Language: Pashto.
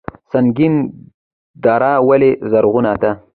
سنګین دره ولې زرغونه ده؟